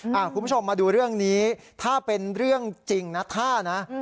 คุณผู้ชมมาดูเรื่องนี้ถ้าเป็นเรื่องจริงนะท่านะ